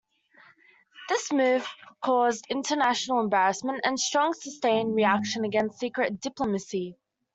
This move caused international embarrassment and a strong, sustained reaction against secret diplomacy.